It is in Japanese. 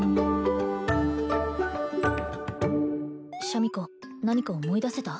シャミ子何か思い出せた？